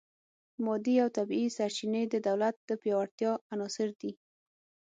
مادي او طبیعي سرچینې د دولت د پیاوړتیا عناصر دي